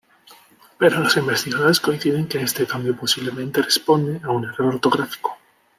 Pero los investigadores coinciden que este cambio posiblemente responde a un error ortográfico.